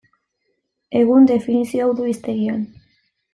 Egun, definizio hau du hiztegian.